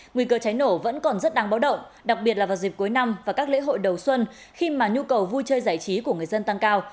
nguy cơ cháy nổ vẫn còn rất đáng báo động đặc biệt là vào dịp cuối năm và các lễ hội đầu xuân khi mà nhu cầu vui chơi giải trí của người dân tăng cao